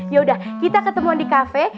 yaudah kita ketemuan di kafe